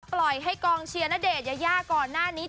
ปล่อยให้กองเชียร์ณเดชน์ยายาก่อนหน้านี้